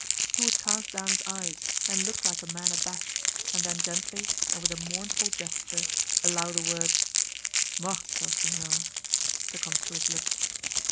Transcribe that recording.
He would cast down his eyes and look like a man abashed, and then gently, and with a mournful gesture, allow the words, "Morto, signor," to come through his lips.